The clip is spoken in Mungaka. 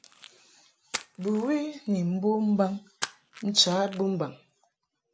Bɨwi ni mbom mbaŋ ncha bɨmbaŋ.